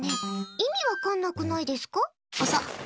意味分かんなくないですか？